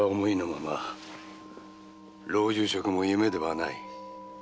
老中職も夢ではない。